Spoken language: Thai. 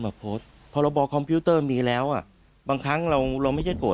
มาโพสต์พรบคอมพิวเตอร์มีแล้วอ่ะบางครั้งเราเราไม่ใช่โกรธ